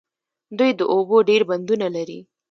دوی د اوبو ډیر بندونه لري.